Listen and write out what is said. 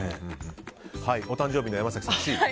お誕生日の山崎さんは、Ｃ。